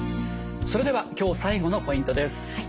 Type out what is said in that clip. それでは今日最後のポイントです。